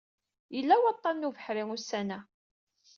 Yella waṭṭan n ubeḥri ussan-a.